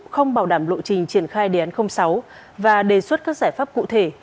không bảo đảm lộ trình triển khai đề án sáu và đề xuất các giải pháp cụ thể